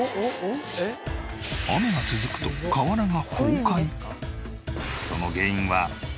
雨が続くと瓦が崩壊！？